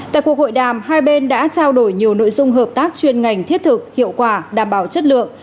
tại cuộc hội đàm hai bên đã trao đổi nhiều nội dung hợp tác chuyên ngành thiết thực hiệu quả đảm bảo chất lượng